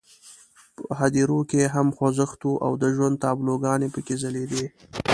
په هدیرو کې یې هم خوځښت وو او د ژوند تابلوګانې پکې ځلېدې.